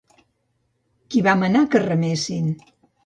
Qui va manar que remessin?